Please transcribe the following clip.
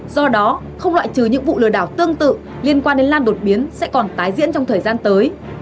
do đó không loại trừ những vụ lừa đảo tương tự liên quan đến lan đột biến sẽ còn tái diễn trong thời gian tới